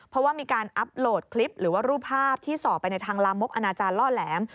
เพราะว่ามีการอัพโหลดคลิปหรือว่ารูปภาพที่ส่อไปในทางลามกอนาจารล่อแหลม